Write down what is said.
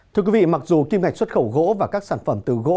thưa quý vị mặc dù kim ngạch xuất khẩu gỗ và các sản phẩm từ gỗ